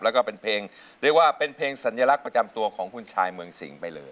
แล้วก็เป็นเพลงเรียกว่าเป็นเพลงสัญลักษณ์ประจำตัวของคุณชายเมืองสิงห์ไปเลย